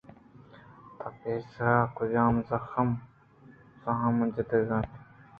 تو پیسرا کجام زحم جتگ اَنت